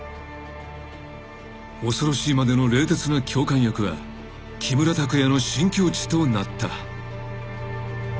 ［恐ろしいまでの冷徹な教官役は木村拓哉の新境地となった］